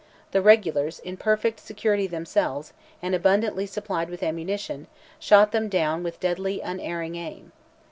The regulars, in perfect security themselves, and abundantly supplied with ammunition, shot them down with deadly unerring aim.